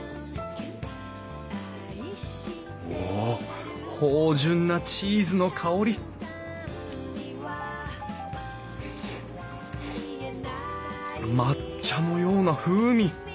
お芳じゅんなチーズの香り抹茶のような風味。